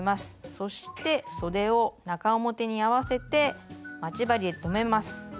そしてそでを中表に合わせて待ち針で留めます。